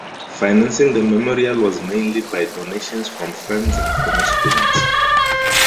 Financing for the memorial was mainly by donations from friends and former students.